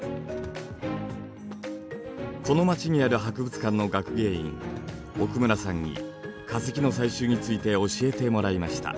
この町にある博物館の学芸員奥村さんに化石の採集について教えてもらいました。